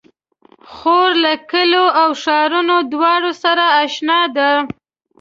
خور له کليو او ښارونو دواړو سره اشنا ده.